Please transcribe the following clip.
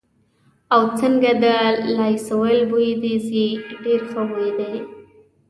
او، څنګه د لایسول بوی دې ځي، ډېر ښه بوی دی.